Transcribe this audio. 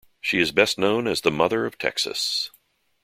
She is best known as the Mother of Texas.